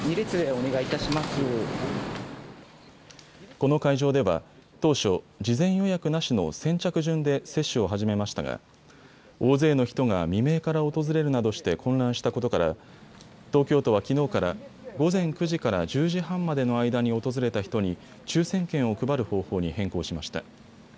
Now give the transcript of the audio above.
この会場では当初、事前予約なしの先着順で接種を始めましたが大勢の人が未明から訪れるなどして混乱したことから東京都はきのうから午前９時から１０時半までの間に訪れた人に抽せん券を配る方法に変更しました。